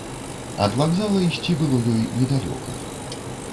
Ад вакзала ісці было ёй недалёка.